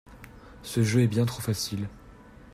Ce jeu est bien trop facile.